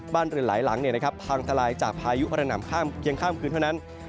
เรือนหลายหลังพังทลายจากพายุระหนำเพียงข้ามคืนเท่านั้น